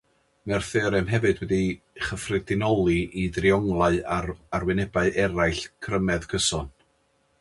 Mae'r theorem hefyd wedi'i chyffredinoli i drionglau ar arwynebau eraill crymedd cyson.